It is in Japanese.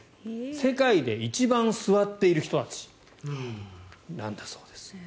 世界で一番座っている人たちなんだそうです。